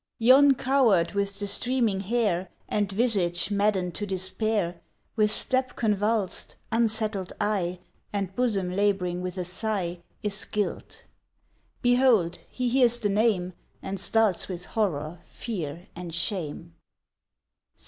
Yon coward, with the streaming hair, And visage, madden'd to despair, With step convuls'd, unsettled eye, And bosom lab'ring with a sigh, Is Guilt! Behold, he hears the name, And starts with horror, fear, and shame!